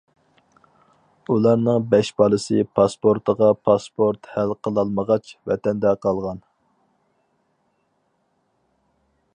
ئۇلارنىڭ بەش بالىسى پاسپورتىغا پاسپورت ھەل قىلالمىغاچ، ۋەتەندە قالغان.